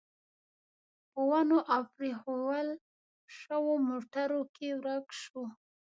په ونو او پرېښوول شوو موټرو کې ورک شو.